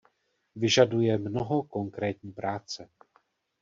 Vyžaduje mnoho konkrétní práce.